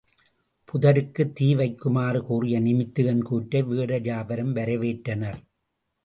புதருக்குத் தீ வைக்குமாறு கூறிய நிமித்திகன் கூற்றை, வேடர் யாவரும் வரவேற்றனர்.